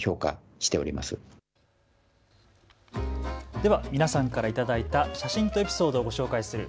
では皆さんから頂いた写真とエピソードをご紹介する＃